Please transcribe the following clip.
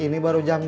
ini baru jam sepuluh